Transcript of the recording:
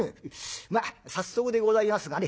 まあ早速でございますがね